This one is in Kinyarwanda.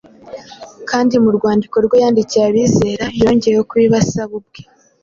kandi mu rwandiko rwe yandikiye abizera yongeyeho kubibasaba ubwe.